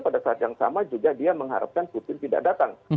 pada saat yang sama juga dia mengharapkan putin tidak datang